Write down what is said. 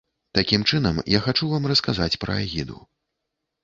Такім чынам, я хачу вам расказаць пра агіду.